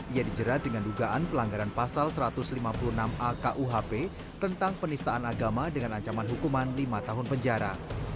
ia dijerat dengan dugaan pelanggaran pasal satu ratus lima puluh enam a kuhp tentang penistaan agama dengan ancaman hukuman lima tahun penjara